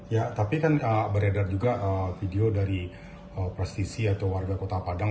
ya tapi kan beredar juga video dari prestisi atau warga kota padang